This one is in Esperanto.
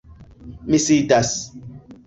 Mi sidas.